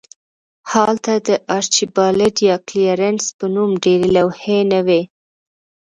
هلته د آرچیبالډ یا کلیرنس په نوم ډیرې لوحې نه وې